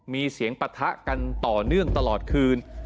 ที่ปะทะกันต่อเนื่องตลอดคืน